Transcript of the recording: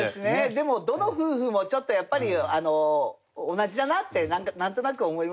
でもどの夫婦もちょっとやっぱり同じだなってなんとなく思いました。